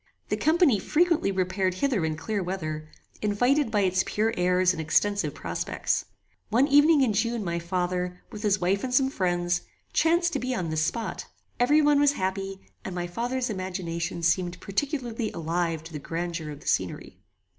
The company frequently repaired hither in clear weather, invited by its pure airs and extensive prospects. One evening in June my father, with his wife and some friends, chanced to be on this spot. Every one was happy, and my father's imagination seemed particularly alive to the grandeur of the scenery.